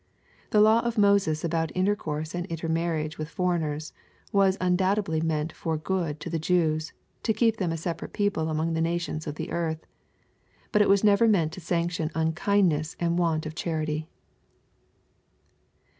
The law of Moses abour^ntercourse and intermarriage with foreigners, was undoubtedly meant for the good of the Jews, to keep them a separate people among the nations of the earth. But it was never meant to sanction unkindness and want of charity.